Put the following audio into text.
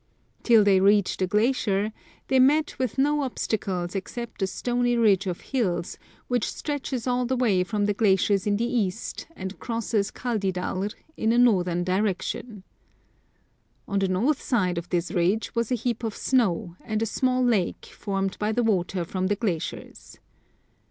Till they reached the glacier, they met with no obstacle except a stony ridge of hills, which stretches all the way from the glaciers in the east, and crosses Kaldidalr in a northern direction. On the north side of this ridge was a heap of snow, and a small lake, formed by the water from the glaciers.